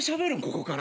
ここから。